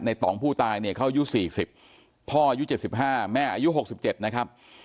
ต่องผู้ตายเนี่ยเขาอายุ๔๐พ่ออายุ๗๕แม่อายุ๖๗นะครับ